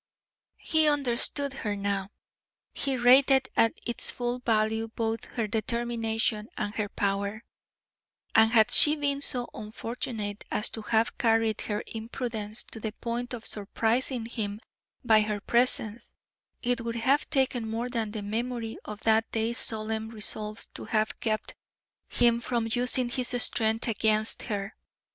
He understood her now. He rated at its full value both her determination and her power, and had she been so unfortunate as to have carried her imprudence to the point of surprising him by her presence, it would have taken more than the memory of that day's solemn resolves to have kept him from using his strength against her.